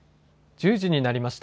１０時になりました。